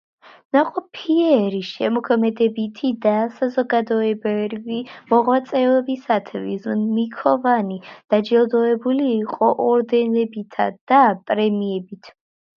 ნაყოფიერი შემოქმედებითი და საზოგადოებრივი მოღვაწეობისათვის ჩიქოვანი დაჯილდოებული იყო ორდენებითა და პრემიებით.